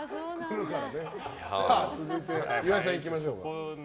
続いて、岩井さんいきましょう。